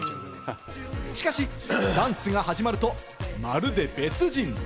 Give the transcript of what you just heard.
しかし、ダンスが始まると、まるで別人。